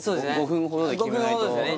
５分ほどですね